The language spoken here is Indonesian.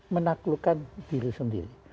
menaklukkan diri sendiri